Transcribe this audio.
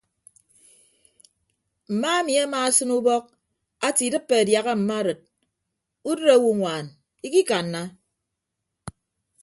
Mma emi amaasịn ubọk ate idịppe adiaha mma arịd udịd owoñwaan ikikanna.